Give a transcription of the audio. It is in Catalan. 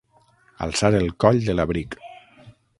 Alçar el coll de l'abric.